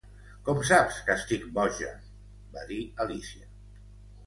"Com saps que estic boja?", va dir Alícia.